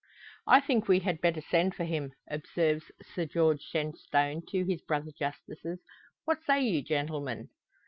"I think we had better send for him," observes Sir George Shenstone to his brother justices. "What say you, gentlemen?"